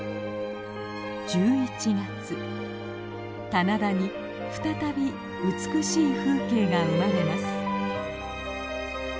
棚田に再び美しい風景が生まれます。